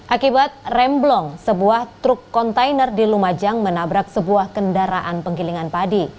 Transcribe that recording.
akibat remblong sebuah truk kontainer di lumajang menabrak sebuah kendaraan penggilingan padi